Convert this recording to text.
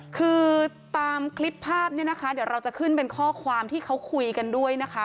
คือตามคลิปภาพเนี่ยนะคะเดี๋ยวเราจะขึ้นเป็นข้อความที่เขาคุยกันด้วยนะคะ